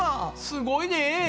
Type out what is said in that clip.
すごいね！